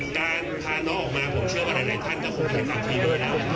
การพาน้องออกมาผมเชื่อว่าหลายท่านก็คงเห็นข่าวนี้ด้วยแล้ว